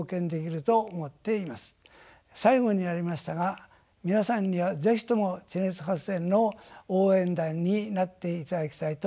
最後になりましたが皆さんには是非とも地熱発電の応援団になっていただきたいと思います。